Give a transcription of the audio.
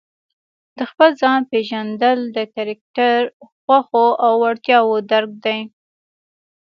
د خپل ځان پېژندل د کرکټر، خوښو او وړتیاوو درک دی.